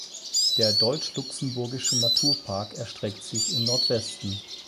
Der Deutsch-Luxemburgische Naturpark erstreckt sich im Nordwesten.